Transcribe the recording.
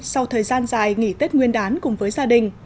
sau thời gian dài nghỉ tết nguyên đán cùng với gia đình